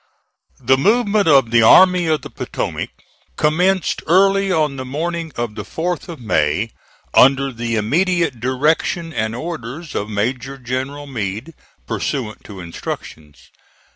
The movement of the Army of the Potomac commenced early on the morning of the 4th of May, under the immediate direction and orders of Major General Meade, pursuant to instructions.